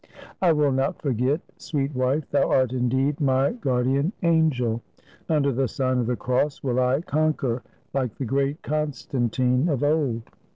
"I will not forget, sweet wife! Thou art, indeed, my guardian angel. Under the sign of the Cross will I con quer, like the great Constantine of old.